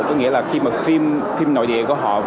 có nghĩa là khi mà phim phim nội địa của họ